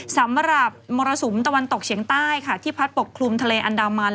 สำหรับมรสุมตะวันตกเฉียงใต้ค่ะที่พัดปกคลุมทะเลอันดามัน